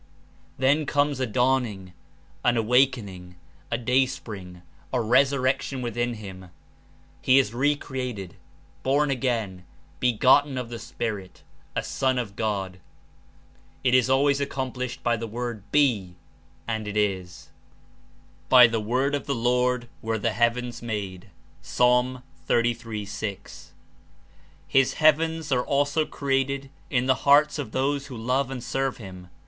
Then comes a dawning, an awakening, a day spring, a resurrection within him. He Is re created, born again, begotten of the Spirit, a son of God. It Is always accomplished by the Word '' 'Be !'— and it Is." ''By the word of the Lord were the heavens made.'' (Ps. 33.6.) His heavens are also created In the hearts of those who love and serve him.